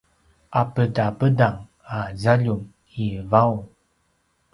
’apedapedang a zaljum i vaung